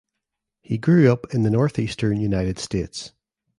He grew up in the Northeastern United States.